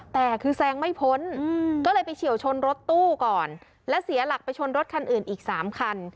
แต่คือแซงไม่พ้นก็เลยไปเฉียวชนรถตู้ก่อนและเสียหลักไปชนรถคันอื่นอีกสามคัน